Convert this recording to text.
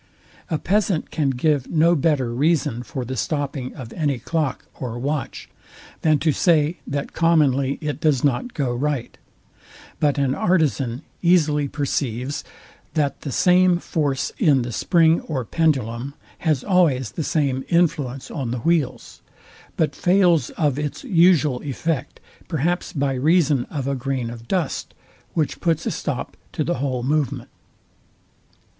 A peasant can give no better reason for the stopping of any clock or watch than to say, that commonly it does not go right: But an artizan easily perceives, that the same force in the spring or pendulum has always the same influence on the wheels; but fails of its usual effect, perhaps by reason of a grain of dust, which puts a stop to the whole movement.